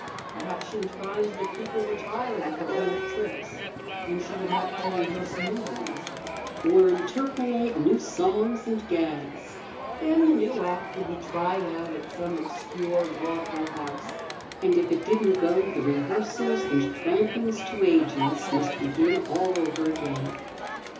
Perhaps she would find that people were tired of her old tricks, and she would have to rehearse new ones, or interpolate new songs and gags. Then the new act would be tried out at some obscure vaudeville house, and if it didn't go the rehearsals and trampings to agents must begin all over again.